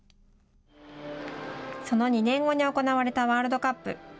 その２年後に行われたワールドカップ。